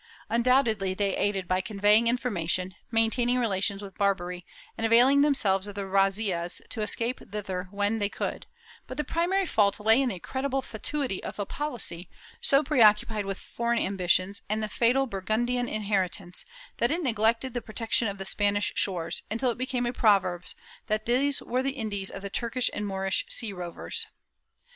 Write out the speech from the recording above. Undoubtedly they aided by conveying information, main taining relations with Barbary, and availing themselves of the razzias to escape thither when they could, but the primary fault lay in the incredible fatuity of a policy, so preoccupied with foreign ambitions and the fatal Burgundian inheritance, that it neglected the protection of the Spanish shores, until it became a proverb that these were the Indies of the Turkish and Moorish sea rovers.